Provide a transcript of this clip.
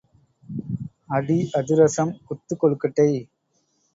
அடி அதிரசம் குத்துக் கொழுக்கட்டை.